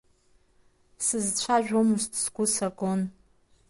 Сызцәажәомызт, сгәы сагон…